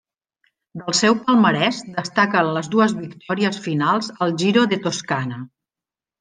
Del seu palmarès destaca les dues victòries finals al Giro de Toscana.